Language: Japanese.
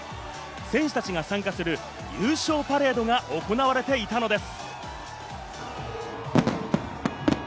選手たちが参加する優勝パレードが行われていたのです。